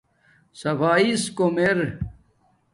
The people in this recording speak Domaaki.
صفاݷیس کوم ار